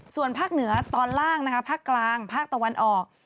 ส่วนภาคเหนือตอนล่างนะคะภาคกลางภาคตะวันออก